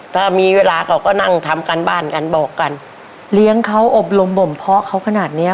ถ้ามีเวลาเขาก็นั่งทำการบ้านกันบอกกันเลี้ยงเขาอบรมบ่มเพาะเขาขนาดเนี้ย